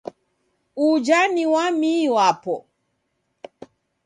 Uja ni wamii wapo.